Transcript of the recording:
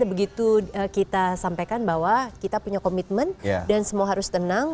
begitu kita sampaikan bahwa kita punya komitmen dan semua harus tenang